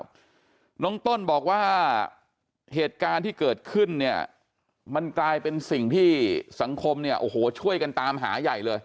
ครับน้องต้นบอกว่าเหตุการณ์ที่เกิดขึ้นเนี่ยมันกลายเป็นสิ่งที่สังคมเนี่ยโอ้โหช่วยกันตามหาใหญ่เลย